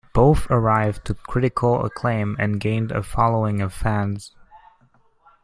Both arrived to critical acclaim and gained a following of fans.